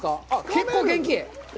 結構、元気！